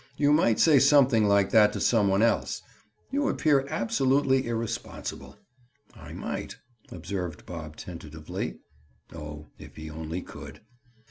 "You might say something like that to some one else. You appear absolutely irresponsible." "I might," observed Bob tentatively. Oh, if he only could!